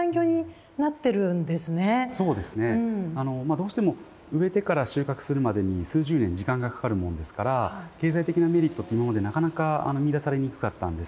どうしても植えてから収穫するまでに数十年時間がかかるものですから経済的メリットって今までなかなか見いだされにくかったんですけれども。